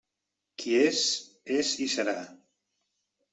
Qui és, és i serà.